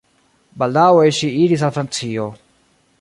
Baldaŭe ŝi iris al Francio.